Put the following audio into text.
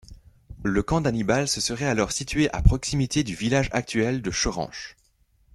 Le camp d’Hannibal se serait alors situé à proximité du village actuel de Choranche.